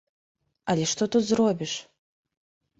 Але што тут зробіш?